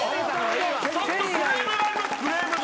ちょっとクレームがありますクレームが。